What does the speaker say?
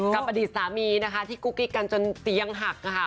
กับอดีตสามีที่กุ๊กกี้กันจนเตียงหัก